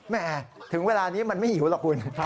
แม่ถึงเวลานี้มันไม่หิวหรอกคุณ